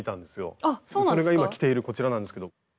それが今着ているこちらなんですけど。